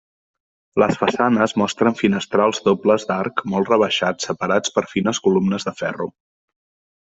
Les façanes mostren finestrals dobles d'arc molt rebaixat separats per fines columnes de ferro.